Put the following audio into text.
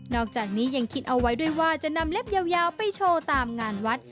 อกจากนี้ยังคิดเอาไว้ด้วยว่าจะนำเล็บยาวไปโชว์ตามงานวัด